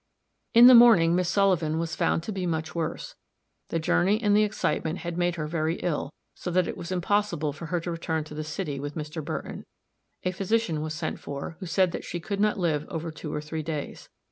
In the morning Miss Sullivan was found to be much worse; the journey and the excitement had made her very ill, so that it was impossible for her to return to the city with Mr. Burton. A physician was sent for who said that she could not live over two or three days.